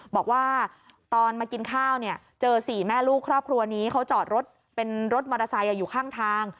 บอกว่าตอนมากินข้าวเนี่ยเจอ๔แม่ลูกครอบครัวนี้เขาจอดรถเป็นรถมอเตอร์ไซค์อยู่ข้างทาง